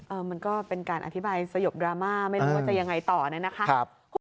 มันก็เป็นการอธิบายสยบดราม่าไม่รู้ว่าจะยังไงต่อนะครับ